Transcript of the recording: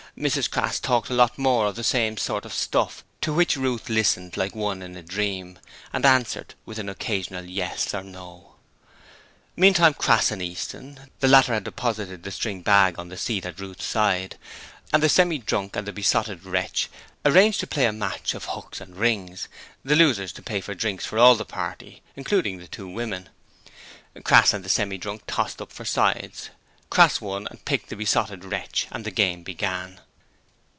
Mrs Crass talked a lot more of the same sort of stuff, to which Ruth listened like one in a dream, and answered with an occasional yes or no. Meantime, Crass and Easton the latter had deposited the string bag on the seat at Ruth's side and the Semi drunk and the Besotted Wretch, arranged to play a match of Hooks and Rings, the losers to pay for drinks for all the party, including the two women. Crass and the Semi drunk tossed up for sides. Crass won and picked the Besotted Wretch, and the game began.